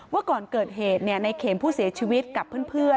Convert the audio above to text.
ว่าก่อนเกิดเหตุในเข็มผู้เสียชีวิตกับเพื่อน